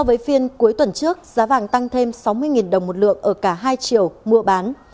với phiên cuối tuần trước giá vàng tăng thêm sáu mươi đồng một lượng ở cả hai triệu mua bán